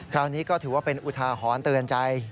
คราวนี้ก็ถือว่าเป็นอุทาหรณ์เตือนใจ